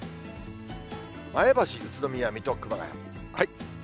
前橋、宇都宮、水戸、熊谷。